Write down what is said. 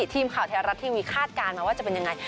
ทีมข่าวไทยรัฐทีวีคาดการณ์มาว่าจะเป็นยังไง